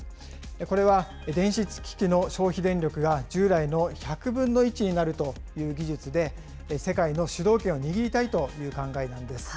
これは電子機器の消費電力が従来の１００分の１になるという技術で、世界の主導権を握りたいという考えなんです。